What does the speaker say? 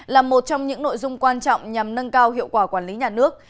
là một trong những nội dung quan trọng nhằm nâng cao hiệu quả quản lý nhà nước